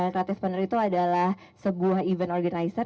creative partner itu adalah sebuah event organizer